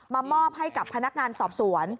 มามอบให้กับพนักงานสอบสวน